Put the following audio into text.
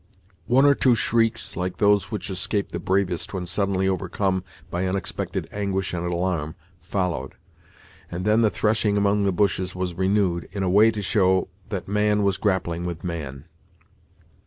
One or two shrieks, like those which escape the bravest when suddenly overcome by unexpected anguish and alarm, followed; and then the threshing among the bushes was renewed, in a way to show that man was grappling with man.